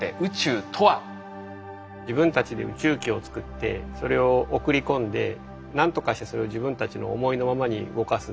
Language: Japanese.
自分たちで宇宙機を作ってそれを送り込んでなんとかしてそれを自分たちの思いのままに動かす。